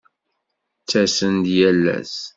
Ttasen-d yal ass.